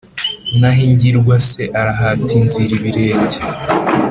naho ingirwa se arahata inzira ibirenge.»